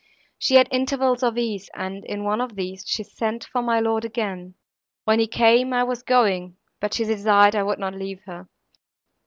She had intervals of ease, and in one of these she sent for my lord again; when he came, I was going, but she desired I would not leave her.